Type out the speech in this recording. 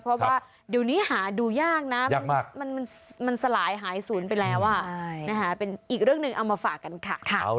เพราะว่าเดี๋ยวนี้หาดูยากนะมันสลายหายศูนย์ไปแล้วเป็นอีกเรื่องหนึ่งเอามาฝากกันค่ะ